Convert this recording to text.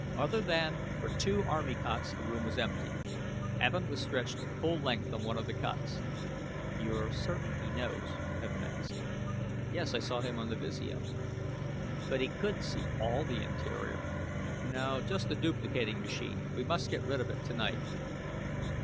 Other than for two army cots the room was empty. Evin was stretched full length on one of the cots. "You're certain he knows?" Evin asked. "Yes. I saw him on the visio." "But he couldn't see all the interior?" "No. Just the duplicating machine. We must get rid of it tonight."